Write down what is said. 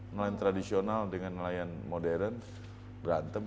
nelayan tradisional dengan nelayan modern berantem